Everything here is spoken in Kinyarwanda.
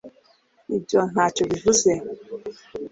ibyo ntacyo bivuze